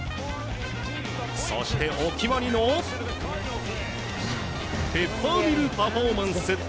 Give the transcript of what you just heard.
そして、お決まりのペッパーミルパフォーマンス！